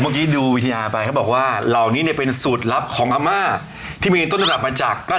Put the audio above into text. สวัสดีครับสวัสดีครับสวัสดีท่านสนท่านครับ